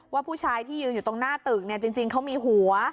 ว่าผู้ชายที่ยืนอยู่ตรงหน้าตึกเนี่ยจริงเขามีหัว